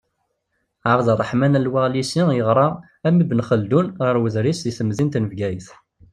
Ɛebderreḥman Al-Waɣlisi yeɣra, am Ibn Xeldun, ɣer Wedris di temdint n Bgayet.